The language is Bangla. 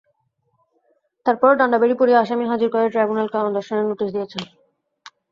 তারপরও ডান্ডাবেড়ি পরিয়ে আসামি হাজির করায় ট্রাইব্যুনাল কারণ দর্শানোর নোটিশ দিয়েছেন।